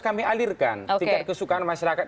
kami alirkan tingkat kesukaan masyarakat